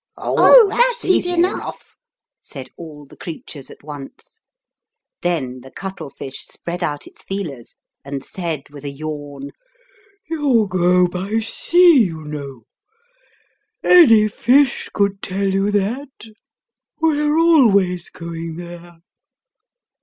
"Oh, that's easy enough," said all the creatures at once. Then the cuttle fish spread out its feelers, and said with a yawn, "You go by sea, you know : any fish could tell you that. We're always going there."